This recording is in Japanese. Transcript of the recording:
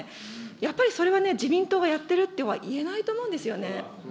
やっぱりそれはね、自民党がやってるっては言えないと思うんですよね。